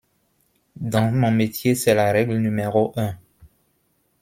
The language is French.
Dans mon métier, c’est la règle numéro un.